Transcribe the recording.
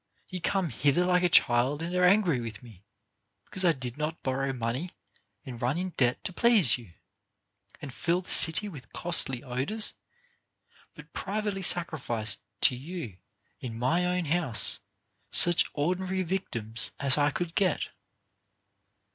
You come hither like a child, and are angry with OF MAN'S PROGRESS IN VIRTUE. 469 me, because I did not borrow money and run in debt to please you, and fill tbe city with costly odors, but privately sacrificed to you in my own house such ordinary victims as 1 could get.